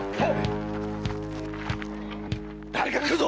誰か来るぞ。